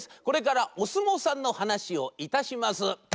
これからおすもうさんのはなしをいたします。